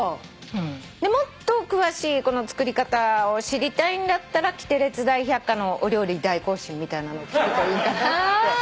もっと詳しいこの作り方を知りたいんだったら『キテレツ大百科』の「お料理大行進」みたいなのを聞くといいかなって。